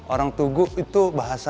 orang tugu itu bahasa